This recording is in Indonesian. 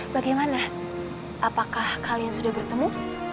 bagaimana apakah kalian sudah bertemu